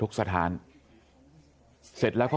หกสิบล้านหกสิบล้าน